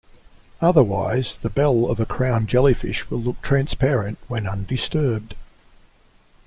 Otherwise, the bell of a crown jellyfish will look transparent when undisturbed.